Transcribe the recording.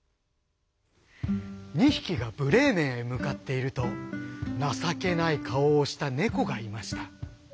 ２匹がブレーメンへ向かっていると情けない顔をした猫がいました。